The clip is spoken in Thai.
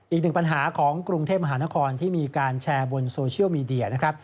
อีกหนึ่งปัญหาของกรุงเทพมหานครที่มีการแชร์บนโซเชียลมีเดียนะครับ